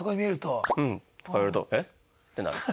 「うん」とか言われると「え？」ってなる。